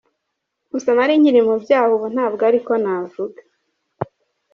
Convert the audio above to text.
Gusa nari nkiri mu byaha ubu ntabwo ari ko navuga.